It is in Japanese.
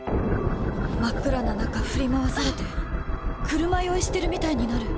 真っ暗な中振り回されて車酔いしてるみたいになる！